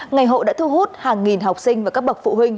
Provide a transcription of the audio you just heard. ngày hội đã thu hút hàng nghìn học sinh và các bậc phụ huynh